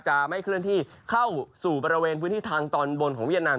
จะไม่เคลื่อนที่เข้าสู่บริเวณพื้นที่ทางตอนบนของเวียดนาม